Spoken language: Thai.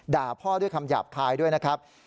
ด่าพ่อด้วยคำหยาบคายด้วยนะครับ